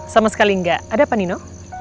sama sekali gak ada apa nino